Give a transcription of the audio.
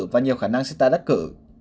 và nhiều khả năng sẽ tại đắc cử